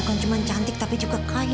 itu bukan hanya cantik tetapi juga kaya